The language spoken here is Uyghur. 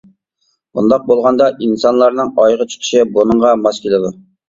بۇنداق بولغاندا ئىنسانلارنىڭ ئايغا چىقىشى بۇنىڭغا ماس كېلىدۇ.